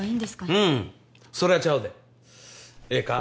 ううんそれはちゃうでええか